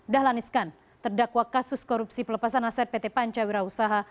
dahlan iskan terdakwa kasus korupsi pelepasan aset pt pancawira usaha